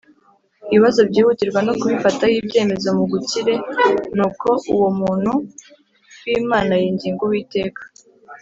Ibibazo byihutirwa no kubifataho ibyemezo mu gukire nuko uwo muntu w imana yinginga uwiteka